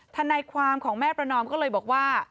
ทนายความของแม่ประนอมก็เลยบอกว่า